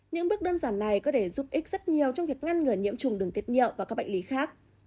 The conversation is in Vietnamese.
những bước đơn giản này có thể giúp ích rất nhiều trong việc ngăn ngừa nhiễm trùng đường tiết nhựa và các bệnh lý khác